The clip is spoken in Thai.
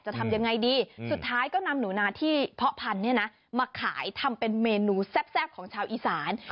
จะทำยังไงดีสุดท้ายก็นำหนูนาที่เพาะพันธุ์มาขายทำเป็นเมนูแซ่บของชาวอีสาน